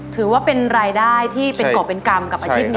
ถือว่าเป็นรายได้ที่เป็นกรอบเป็นกรรมกับอาชีพนี้